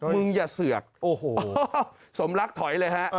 อย่าเสือกโอ้โหสมรักถอยเลยฮะ